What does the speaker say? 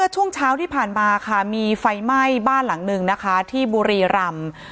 ช่วงเช้าที่ผ่านมาค่ะมีไฟไหม้บ้านหลังนึงนะคะที่บุรีรำ